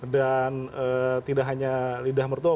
dan tidak hanya lidah mertua